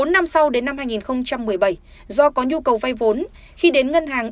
bốn năm sau đến năm hai nghìn một mươi bảy do có nhu cầu vay vốn khi đến ngân hàng